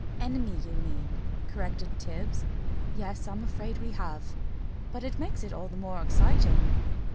"Enemy, you mean," corrected Tibbs. "Yes, I'm afraid we have. But that makes it all the more exciting."